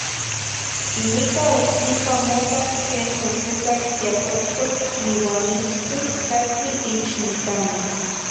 Y nicah ocsipa mota que n telpucatl ya cochtoc iuah nitzcuih catqui ich nicama.